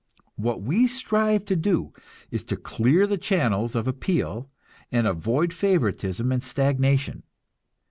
What we strive to do is to clear the channels of appeal, and avoid favoritism and stagnation.